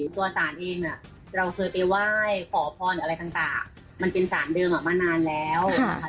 ตัวสารเองเราเคยไปไหว้ขอพรอะไรต่างมันเป็นสารเดิมมานานแล้วนะคะ